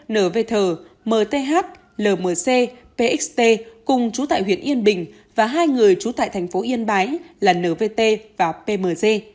nvth mth lmc pxt cùng trú tại huyện yên bình và hai người trú tại thành phố yên bái là nvt và pmg